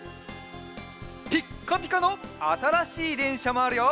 ピッカピカのあたらしいでんしゃもあるよ！